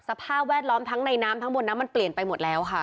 สภาพแวดล้อมทั้งในน้ำทั้งบนน้ำมันเปลี่ยนไปหมดแล้วค่ะ